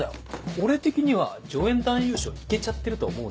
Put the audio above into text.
俺的には助演男優賞いけちゃってると思うね。